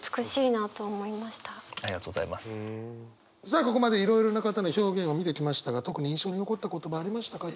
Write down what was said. さあここまでいろいろな方の表現を見てきましたが特に印象に残った言葉ありましたか？